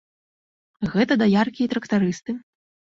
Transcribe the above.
Гэта даяркі і трактарысты.